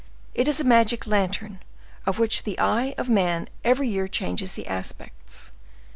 It is a magic lantern, of which the eye of man every year changes the aspects.